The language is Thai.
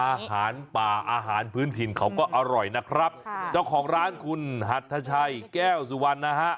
อาหารป่าอาหารพื้นถิ่นเขาก็อร่อยนะครับค่ะเจ้าของร้านคุณหัทชัยแก้วสุวรรณนะฮะ